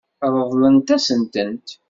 Ṛeḍlen-asent-tent.